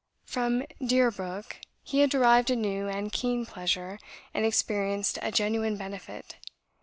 From "Deerbrook" he had derived a new and keen pleasure, and experienced a genuine benefit.